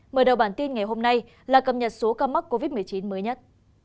mở đầu bản tin ngày hôm nay là cập nhật số ca mắc covid một mươi chín mới nhất